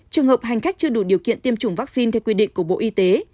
trường hợp hành khách chưa đủ điều kiện tiêm chủng vaccine theo quy định của bộ y tế